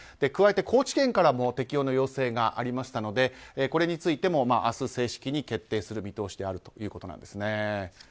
加えて、高知県からも適用の要請がありましたのでこれについても明日、正式に決定する見通しであるということですね。